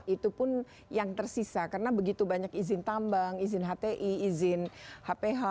itu pun yang tersisa karena begitu banyak izin tambang izin hti izin hph